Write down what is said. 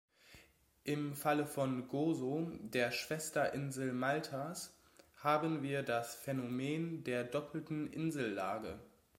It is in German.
Im Falle von Gozo, der Schwesterinsel Maltas, haben wir das Phänomen der doppelten Insellage.